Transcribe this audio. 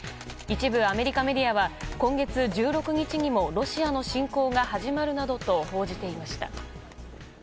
一部アメリカメディアは今月１６日にもロシアの侵攻が始まるなどと報じていました。